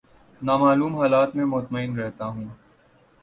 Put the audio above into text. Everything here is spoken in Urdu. نا معلوم حالات میں مطمئن رہتا ہوں